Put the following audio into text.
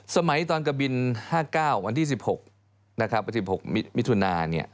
สมัยตอนกะบิน๕๙วันที่๑๖๑๖มิถุนา